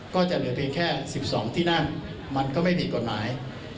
ก็จะเหลือเพียงแค่๑๒ที่นั่งมันก็ไม่ผิดกฎหมาย